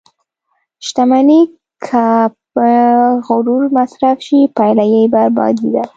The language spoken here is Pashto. • شتمني که په غرور مصرف شي، پایله یې بربادي ده.